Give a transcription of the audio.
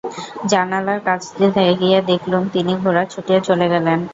জানলার কাছে গিয়ে দেখলুম, তিনি ঘোড়া ছুটিয়ে দিয়ে চলে গেলেন।